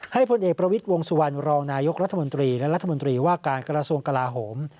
พลเอกประวิทย์วงสุวรรณรองนายกรัฐมนตรีและรัฐมนตรีว่าการกระทรวงกลาโหม